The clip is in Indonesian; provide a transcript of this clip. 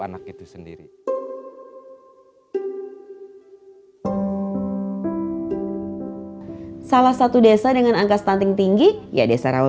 anak itu sendiri salah satu desa dengan angka stunting tinggi ya desa rawa